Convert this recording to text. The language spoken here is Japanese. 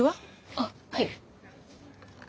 あっはい。